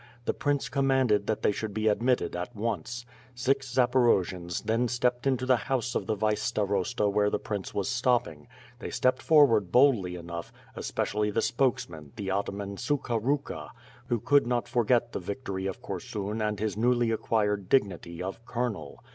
The prince commanded that they should be ad mitted at once. Six Zaporojians then stepped into the house of the vice starosta where the prince was stopping; they stepped forward boldly enough, especially the spokesman, the ataman Sukha Ruka, who could not forget the victory of Korsun and his newly acquired dignity of colonel.